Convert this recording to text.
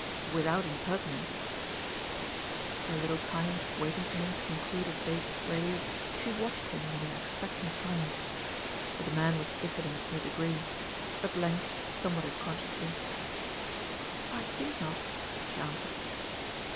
"Without impertinence ..." For a little time, waiting for him to conclude his vague phrase, she watched him in an expectant silence. But the man was diffident to a degree At length, somewhat unconsciously, "I think not," she answered.